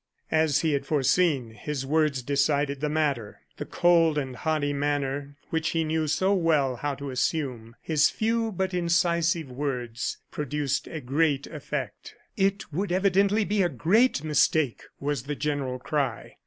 As he had foreseen, his words decided the matter. The cold and haughty manner which he knew so well how to assume, his few but incisive words, produced a great effect. "It would evidently be a great mistake!" was the general cry.